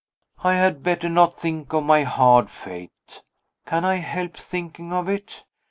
I had better not think of my hard fate. Can I help thinking of it?